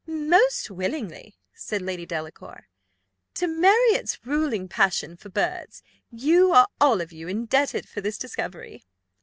"Most willingly," said Lady Delacour. "To Marriott's ruling passion for birds you are all of you indebted for this discovery.